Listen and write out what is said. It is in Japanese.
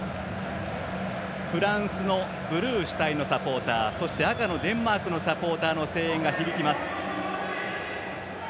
フランスのブルー主体のサポーターそして赤のデンマークのサポーターの声援が響きます。